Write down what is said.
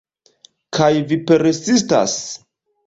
Kaj vi persistas?